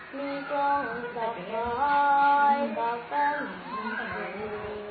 มีกล้องกลับไปกลับกันอยู่